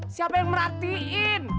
siapa yang merhatiin